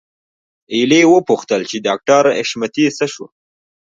هيلې وپوښتل چې ډاکټر حشمتي څه شو